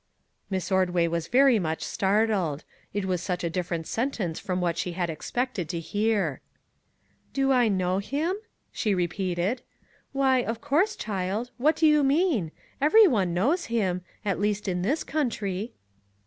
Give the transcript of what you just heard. Miss Ordway was very much startled; it was such a different sentence from what she had expected to hear. " Do I know him ?" she repeated. " Why, of course, child. What do you mean ? Every one knows him ; at least, in this country."